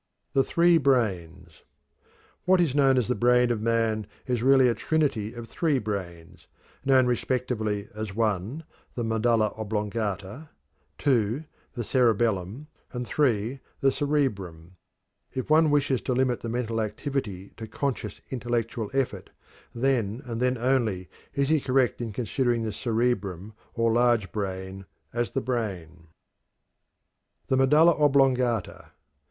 THE THREE BRAINS. What is known as the brain of man is really a trinity of three brains, known respectively as (1) the medulla oblongata, (2) the cerebellum, and (3) the cerebrum. If one wishes to limit the mental activity to conscious intellectual effort, then and then only is he correct in considering the cerebrum or large brain as "the brain." _The Medulla Oblongata.